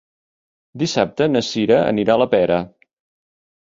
Dissabte na Sira anirà a la Pera.